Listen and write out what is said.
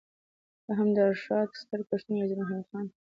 دا هم د ارواښاد ستر پښتون وزیر محمد ګل خان مومند بابا لیک: